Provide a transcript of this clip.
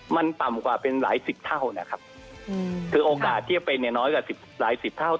มันต่ำกว่าเป็นหลายสิบเท่านะครับคือโอกาสที่จะเป็นเนี่ยน้อยกว่าสิบหลายสิบเท่า